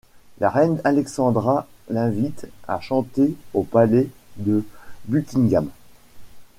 La reine Alexandra l'invite à chanter au palais de Buckingham.